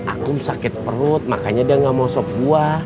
aku sakit perut makanya dia gak mau sop buah